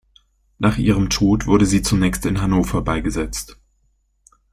Nach ihrem Tod wurde sie zunächst in Hannover beigesetzt.